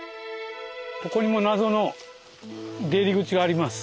ここにも謎の出入り口があります。